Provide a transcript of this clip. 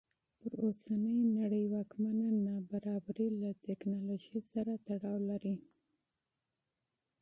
پر اوسنۍ نړۍ واکمنه نابرابري له ټکنالوژۍ سره تړاو لري.